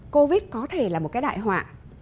covid có thể là một cái đại họa